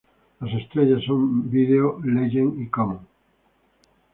Las estrellas son vídeo Legend y Common.